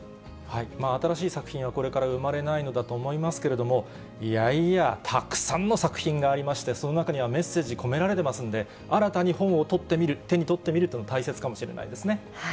新しい作品は、これから生まれないのだと思いますけれども、いやいや、たくさんの作品がありまして、その中には、メッセージ込められてますんで、新たに本を取ってみる、手に取ってみるというのが大切かもしれないですね。